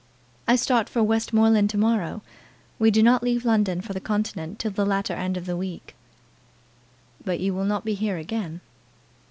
"I start for Westmoreland to morrow. We do not leave London for the continent till the latter end of next week." "But you will not be here again?"